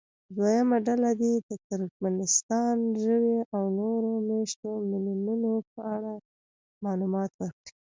دویمه ډله دې د ترکمنستان ژبو او نورو مېشتو ملیتونو په اړه معلومات ورکړي.